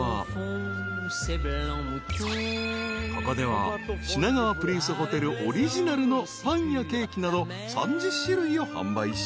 ［ここでは品川プリンスホテルオリジナルのパンやケーキなど３０種類を販売し］